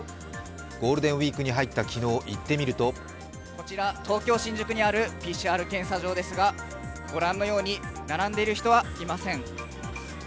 ゴールデンウイークに入った昨日、行ってみるとこちら東京・新宿にあるＰＣＲ検査場ですがご覧のように並んでいる人はいません。